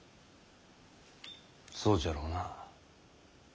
そうじゃろうな。